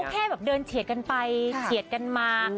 แค่แบบเดินเฉียดกันไปเฉียดกันมา